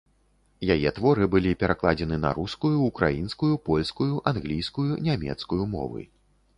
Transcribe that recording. Яе творы былі перакладзены на рускую, украінскую, польскую, англійскую, нямецкую мовы.